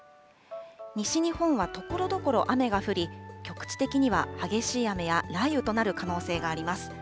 西日本はところどころ雨が降り、局地的には激しい雨や雷雨となる可能性があります。